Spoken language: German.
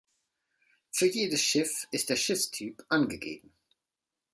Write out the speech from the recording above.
Für jedes Schiff ist der Schiffstyp angegeben.